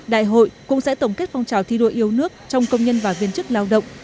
đại hội cũng sẽ tổng kết phong trào thi đua yêu nước trong công nhân và viên chức lao động